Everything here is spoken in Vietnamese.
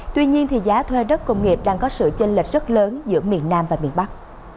tuy nhiên giá thuê đất công nghiệp đang có sự chênh lệch rất lớn giữa miền nam và miền bắc